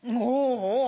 おお！